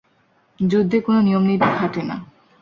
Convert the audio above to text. যুদ্ধে কোনো নিয়মনীতি খাটে না!